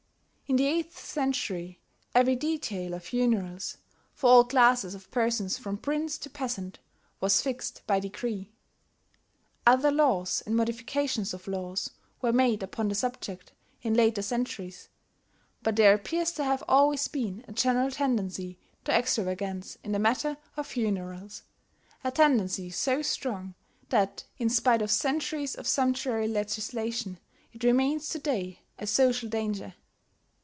In the eighth century every detail of funerals, for all classes of persons from prince to peasant, was fixed by decree. Other laws, and modifications of laws, were made upon the subject in later centuries; but there appears to have always been a general tendency to extravagance in the matter of funerals, a tendency so strong that, in spite of centuries of sumptuary legislation, it remains to day a social danger.